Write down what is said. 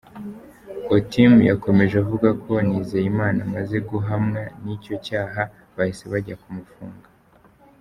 Otim yakomeje avuga ko Nizeyimana amaze guhamwa n’icyo cyaha bahise bajya kumufunga.